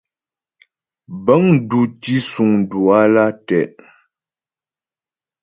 Bəŋ dù tǐsuŋ Duala tɛ'.